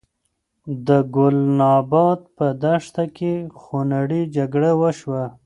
د ګلناباد په دښته کې خونړۍ جګړه وشوه.